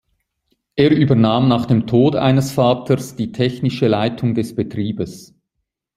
Er übernahm nach dem Tod eines Vaters die technische Leitung des Betriebes.